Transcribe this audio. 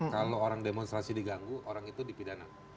kalau orang demonstrasi diganggu orang itu dipidana